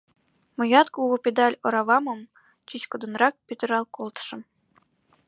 Мыят кугу педаль оравамым чӱчкыдынрак пӱтырал колтышым.